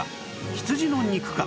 羊の肉か？